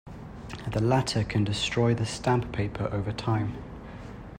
The latter can destroy the stamp paper over time.